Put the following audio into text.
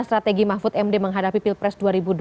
strategi mahfud md menghadapi pilpres dua ribu dua puluh